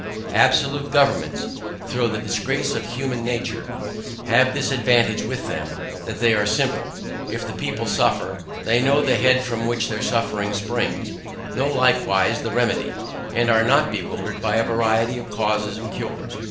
Absolute governments (tho' the disgrace of human nature) have this advantage with them, that they are simple; if the people suffer, they know the head from which their suffering springs, know likewise the remedy, and are not bewildered by a variety of causes and cures.